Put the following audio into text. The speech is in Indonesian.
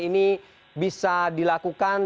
ini bisa dilakukan